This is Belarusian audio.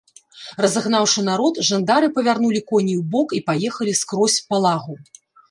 Разагнаўшы народ, жандары павярнулі коней убок і паехалі скрозь па лагу.